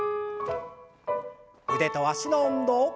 腕と脚の運動。